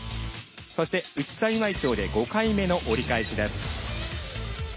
内幸町で５回目の折り返しです。